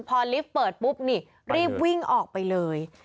พอลิฟต์เปิดปุ๊บนี่รีบวิ่งออกไปเลย